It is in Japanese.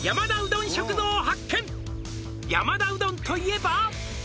「を発見」「山田うどんといえば」